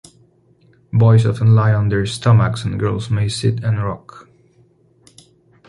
Boys often lie on their stomachs and girls may sit and rock.